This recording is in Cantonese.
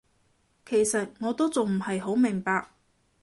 其實我都仲唔係好明白